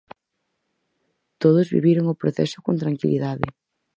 Todos viviron o proceso con tranquilidade.